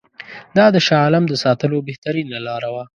دا د شاه عالم د ساتلو بهترینه لاره وه.